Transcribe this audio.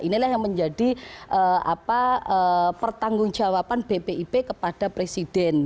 inilah yang menjadi pertanggung jawaban bpip kepada presiden